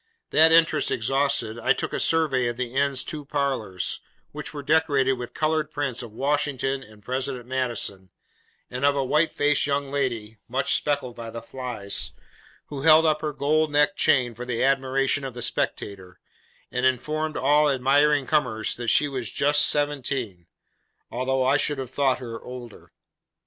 That interest exhausted, I took a survey of the inn's two parlours, which were decorated with coloured prints of Washington, and President Madison, and of a white faced young lady (much speckled by the flies), who held up her gold neck chain for the admiration of the spectator, and informed all admiring comers that she was 'Just Seventeen:' although I should have thought her older.